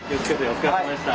お疲れさまでした。